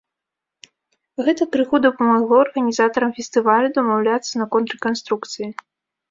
Гэта крыху дапамагло арганізатарам фестывалю дамаўляцца наконт рэканструкцыі.